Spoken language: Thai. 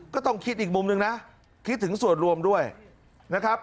ก็ต้องคิดอีกมุมหนึ่งนะคิดถึงส่วนรวมด้วยนะครับ